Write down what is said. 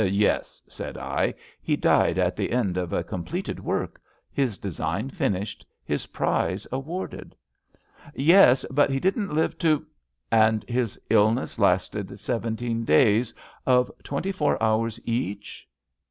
Yes," said I. He died at the end of a completed work — ^his design finished, his prize awarded? "'' Yes; but he didn't live to ..."And his illness lasted seventeen days, of twenty four hours each?